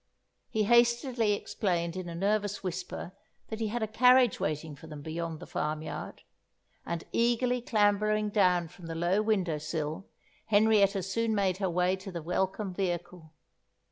He hastily explained in a nervous whisper that he had a carriage waiting for them beyond the farmyard; and eagerly clambering down from the low windowsill, Henrietta soon made her way to the welcome vehicle.